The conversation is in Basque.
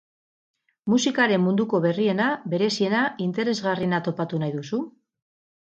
Musikaren munduko berriena, bereziena, interesgarriena topatu nahi duzu?